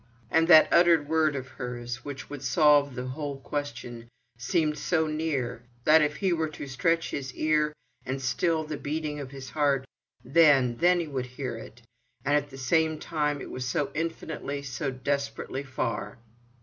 And that unuttered word of hers, which would solve the whole question, seemed so near, that if he were to stretch his ear and still the beating of his heart, then, then he would hear it—and at the same time it was so infinitely, so desperately far.